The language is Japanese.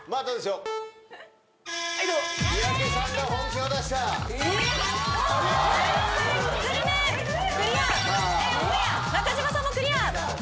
中島さんもクリア！